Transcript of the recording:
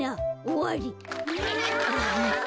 おわり。